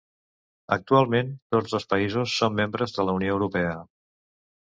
Actualment tots dos països són membres de la Unió Europea.